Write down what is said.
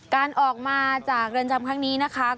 การออกมาจากเรือนจำครั้งนี้นะคะ